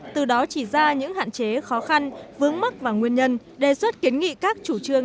từ đó chỉ ra những hạn chế khó khăn vướng mắt và nguyên nhân đề xuất kiến nghị các chủ trương